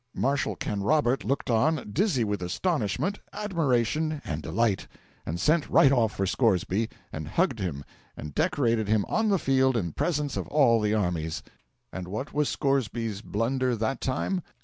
Marshal Canrobert looked on, dizzy with astonishment, admiration, and delight; and sent right off for Scoresby, and hugged him, and decorated him on the field in presence of all the armies! And what was Scoresby's blunder that time?